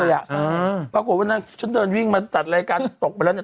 อยู่ถนนพิพกรณี